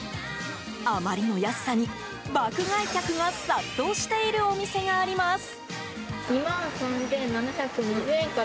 あまりの安さに、爆買い客が殺到しているお店があります。